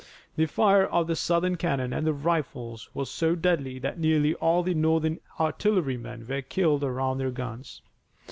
The fire of the Southern cannon and rifles was so deadly that nearly all the Northern artillerymen were killed around their guns.